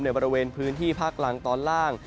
บริเวณพื้นที่ภาคล่างตอนล่าง